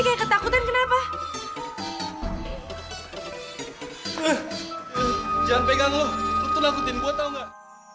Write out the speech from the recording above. jangan pegang lo lo tuh nakutin gue tau gak